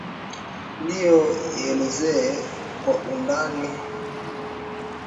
ndio ielezee kwa undani hiyounamaanisha nini